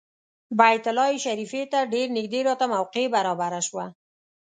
بیت الله شریفې ته ډېر نږدې راته موقع برابره شوه.